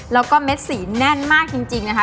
แล้วก็เม็ดสีแน่นมากจริงนะคะ